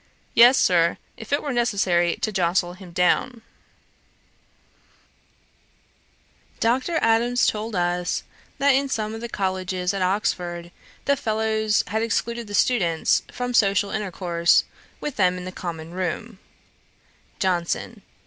'Yes, Sir, if it were necessary to jostle him down.' Dr. Adams told us, that in some of the Colleges at Oxford, the fellows had excluded the students from social intercourse with them in the common room. JOHNSON.